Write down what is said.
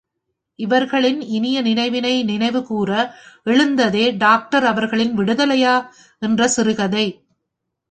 இவர்களின் இனிய நினைவினை நினைவுகூர எழுந்ததே டாக்டர் அவர்களின் விடுதலையா? என்ற சிறுகதை.